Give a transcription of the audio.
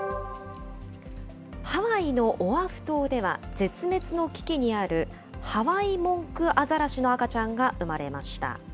ハワイのオアフ島では、絶滅の危機にある、ハワイモンクアザラシの赤ちゃんが産まれました。